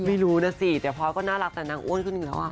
ไม่รู้นะสิเดี๋ยวพอร์ตก็น่ารักแต่นางอ้วนขึ้นอีกแล้วอ่ะ